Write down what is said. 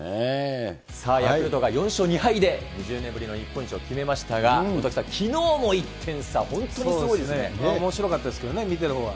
ヤクルトが４勝２敗で２０年ぶりの日本一を決めましたが、元木さん、きのうも１点差、そうですね、おもしろかったですけどね、見てるほうは。